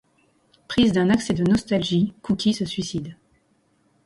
Prise d'un accès de nostalgie, Cookie se suicide.